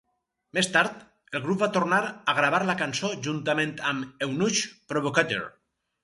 Més tard, el grup va tornar a gravar la cançó juntament amb "Eunuch Provocateur".